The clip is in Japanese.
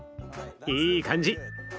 いい感じ。